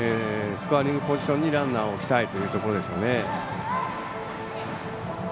スコアリングポジションにランナーを置きたいところでしょうね。